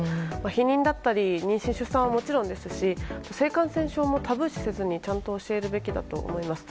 避妊だったり妊娠、出産はもちろんですし性感染症も正しく教えるべきだと思います。